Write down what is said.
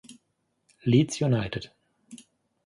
Leeds United